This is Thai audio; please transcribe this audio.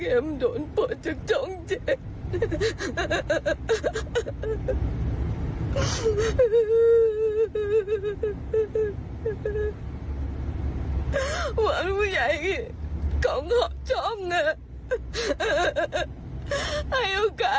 ให้โอกาสน้องด้วยทำไมคะ